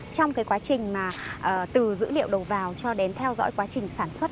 trong quá trình từ dữ liệu đầu vào cho đến theo dõi quá trình sản xuất